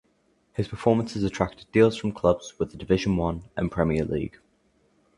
His performances attracted deals from clubs with the division one and premier league.